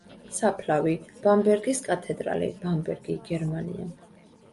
საფლავი: ბამბერგის კათედრალი, ბამბერგი, გერმანია.